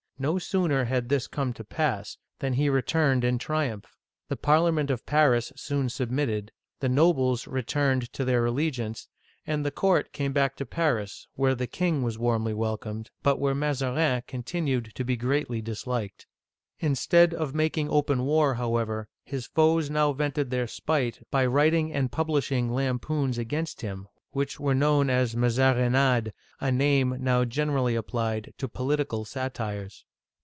No sooner had this come to pass than he returned in triumph. The Par liament of Paris soon submitted; the nobles returned to Mile, de Montpensier, Daughter of Gaston of Orleans. Digitized by Google 324 OLD FRANCE their allegiance ; and the court came back to Paris, where the king was warmly welcomed, but where Mazarin con tinued to be greatly disliked. Instead of making open war, however, his foes now vented their spite by writing and publishing lampoons against him, which were known as " Mazarinades," a name now generally applied to poli tical satires.